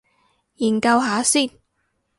研究下先